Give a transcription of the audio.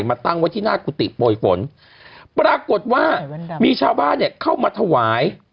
มาตั้งไว้ที่หน้ากุฏิโปรยฝนปรากฏว่ามีชาวบ้านเนี่ยเข้ามาถวาย